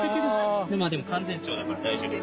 でも完全長だから大丈夫。